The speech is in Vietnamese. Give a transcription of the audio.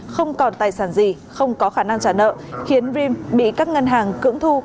không còn tài sản gì không có khả năng trả nợ khiến vrim bị các ngân hàng cưỡng thu